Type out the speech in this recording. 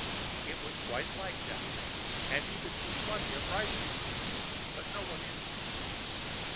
It was quite light down there; and she could see plenty of rice fields, but no one in them.